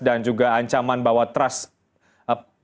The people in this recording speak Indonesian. dan juga ancaman bahwa trust publik yang diberikan